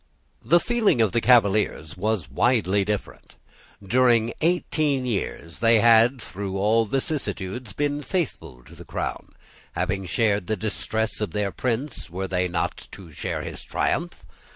The feeling of the Cavaliers was widely different. During eighteen years they had, through all vicissitudes, been faithful to the Crown. Having shared the distress of their prince, were they not to share his triumph?